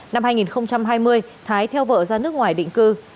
năm hai nghìn hai mươi thái theo vợ ra nước ngoài định cư